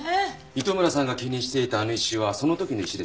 糸村さんが気にしていたあの石はその時の石でしょうね。